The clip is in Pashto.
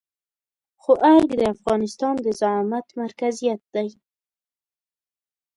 خو ارګ د افغانستان د زعامت مرکزيت دی.